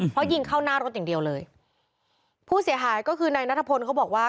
เพราะยิงเข้าหน้ารถอย่างเดียวเลยผู้เสียหายก็คือนายนัทพลเขาบอกว่า